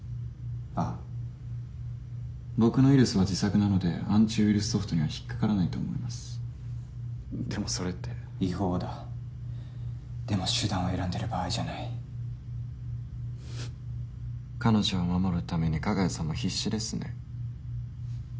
ああ僕のウイルスは自作なのでアンチウイルスソフトには引っ掛からないと思いますでもそれって違法だでも手段を選んでる場合じゃないフッ彼女を守るために加賀谷さんも必死ですね